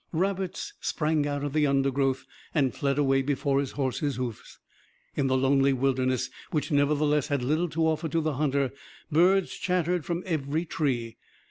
Rabbits sprang out of the undergrowth and fled away before his horse's hoofs. In the lonely wilderness, which nevertheless had little to offer to the hunter, birds chattered from every tree.